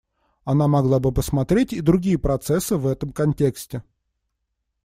Она могла бы посмотреть и другие процессы в этом контексте.